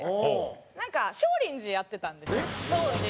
なんか少林寺やってたんです当時。